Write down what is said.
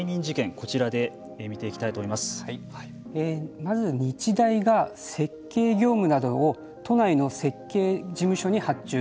こちらで見ていきたいとまず日大が設計業務などを都内の設計事務所に発注。